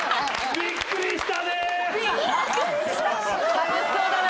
びっくりした。